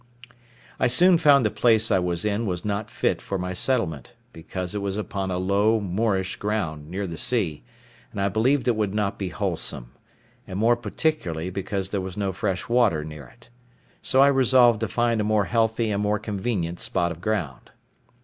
I soon found the place I was in was not fit for my settlement, because it was upon a low, moorish ground, near the sea, and I believed it would not be wholesome, and more particularly because there was no fresh water near it; so I resolved to find a more healthy and more convenient spot of ground.